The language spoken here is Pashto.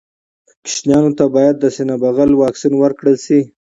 ماشومانو ته باید د سینه بغل واکسين ورکړل شي.